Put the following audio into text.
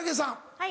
はい。